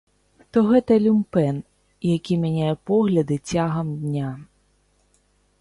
То гэта люмпэн, які мяняе погляды цягам дня.